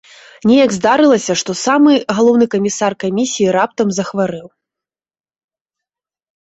Неяк здарылася, што самы галоўны камісар камісіі раптам захварэў.